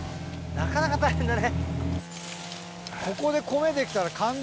なかなか大変だね。